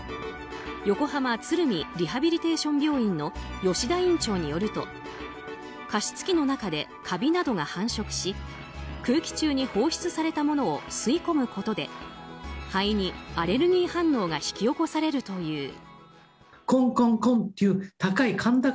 横浜鶴見リハビリテーション病院の吉田院長によると加湿器の中でカビなどが繁殖し空気中に放出されたものを吸い込むことで肺にアレルギー反応が引き起こされるという。